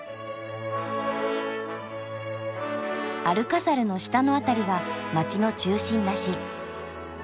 アルカサルの下の辺りが街の中心らしい。